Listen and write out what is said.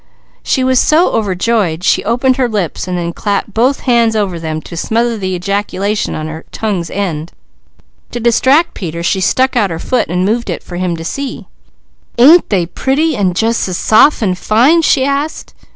She was so overjoyed she opened her lips and then clapped both hands over them, to smother the ejaculation at her tongue's end. To distract Peter she stuck out her foot and moved it for him to see. "Ain't that pretty, an' jus' as soft and fine?" she asked.